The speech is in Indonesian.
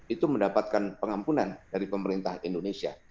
itu mendapatkan pengampunan dari pemerintah indonesia